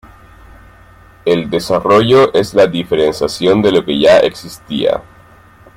El desarrollo es la diferenciación de lo que ya existía.